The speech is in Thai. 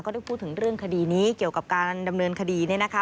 ได้พูดถึงเรื่องคดีนี้เกี่ยวกับการดำเนินคดีเนี่ยนะคะ